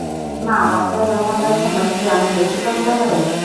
মা, বাচ্চা জন্ম দেওয়ার সময় কী অনেক বেশি কষ্ট হয়?